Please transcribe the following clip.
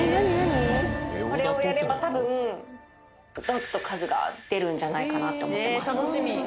これをやれば多分ドッと数が出るんじゃないかなと思ってます